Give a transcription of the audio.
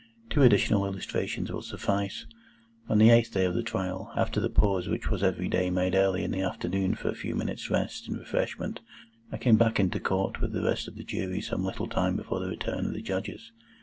Two additional illustrations will suffice. On the eighth day of the trial, after the pause which was every day made early in the afternoon for a few minutes' rest and refreshment, I came back into Court with the rest of the Jury some little time before the return of the Judges.